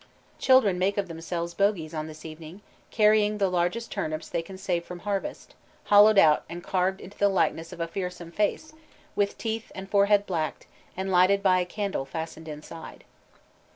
_ Children make of themselves bogies on this evening, carrying the largest turnips they can save from harvest, hollowed out and carved into the likeness of a fearsome face, with teeth and forehead blacked, and lighted by a candle fastened inside.